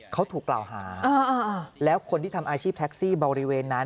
เขาถูกกล่าวหาแล้วคนที่ทำอาชีพแท็กซี่บริเวณนั้น